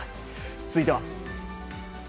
続いては。